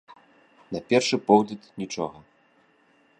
На першы погляд, нічога.